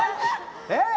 え？